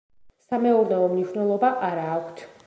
სამეურნეო მნიშვნელობა არა აქვთ.